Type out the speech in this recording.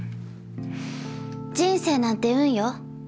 人生なんて運よ。